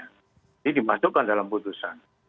ini dimasukkan dalam keputusan